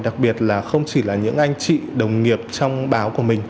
đặc biệt là không chỉ là những anh chị đồng nghiệp trong báo của mình